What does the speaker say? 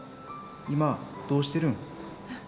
今どうしてるん？